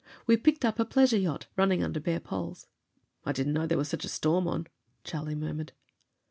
We picked up a pleasure yacht, running under bare poles. "I didn't know there was such a storm on," Charlie murmured.